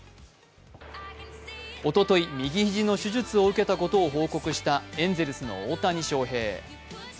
おととし、右肘の手術を受けたことを報告したエンゼルスの大谷翔平選手。